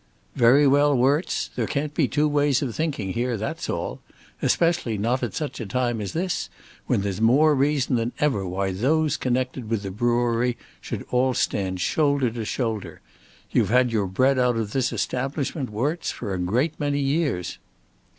"Very well, Worts; there can't be two ways of thinking here, that's all; especially not at such a time as this, when there's more reason than ever why those connected with the brewery should all stand shoulder to shoulder. You've had your bread out of this establishment, Worts, for a great many years."